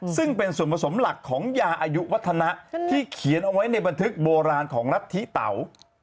ซึ่งเป็นส่วนผสมหลักของยาอายุวัฒนะที่เขียนเอาไว้ในบันทึกโบราณของรัฐธิเตา